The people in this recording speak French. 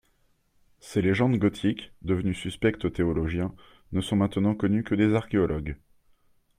Ces légendes gothiques, devenues suspectes aux théologiens, ne sont maintenant connues que des archéologues.